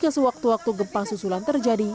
sejak sewaktu waktu gempa sesulang terjadi